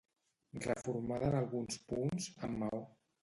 Reformada en alguns punts, amb maó.